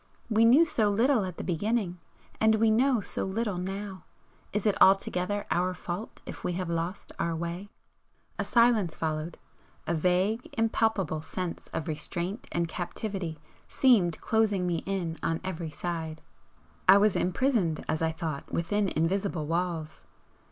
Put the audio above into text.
We knew so little at the beginning, and we know so little now, is it altogether our fault if we have lost our way?" A silence followed. A vague, impalpable sense of restraint and captivity seemed closing me in on every side, I was imprisoned, as I thought, within invisible walls.